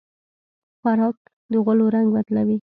خوراک د غولو رنګ بدلوي.